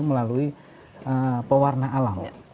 melalui pewarna alam